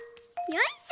よし！